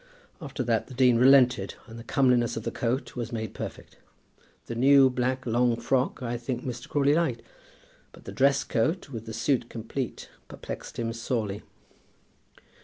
After that, the dean relented, and the comeliness of the coat was made perfect. The new black long frock, I think Mr. Crawley liked; but the dress coat, with the suit complete, perplexed him sorely.